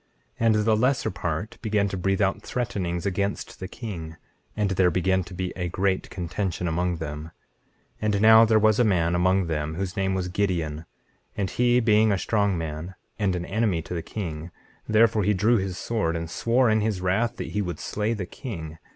19:3 And the lesser part began to breathe out threatenings against the king, and there began to be a great contention among them. 19:4 And now there was a man among them whose name was Gideon, and he being a strong man and an enemy to the king, therefore he drew his sword, and swore in his wrath that he would slay the king.